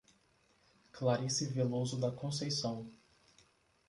Clarice Veloso da Conceicao